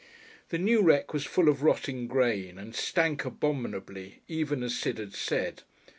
The new wreck was full of rotting grain, and smelt abominably, even as Sid had said.